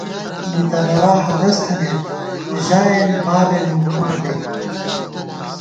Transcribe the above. نِتَنَوا ہدَس تھنَئیت ، ژائیېن بابېن مُکمانڈے